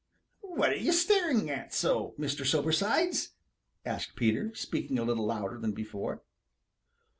"What are you staring at so, Mr. Sobersides?" asked Peter, speaking a little louder than before.